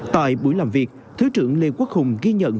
tại buổi làm việc thứ trưởng lê quốc hùng ghi nhận